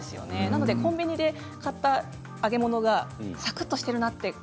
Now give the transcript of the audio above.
なので、コンビニで買った揚げ物がサクっとしているなあります。